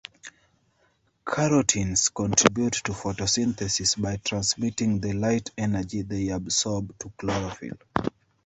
Carotenes contribute to photosynthesis by transmitting the light energy they absorb to chlorophyll.